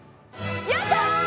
やったー！